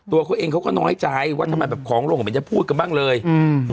ตัวเขาเองเขาก็น้อยใจว่าทำไมแบบของลงเหมือนจะพูดกันบ้างเลยอืม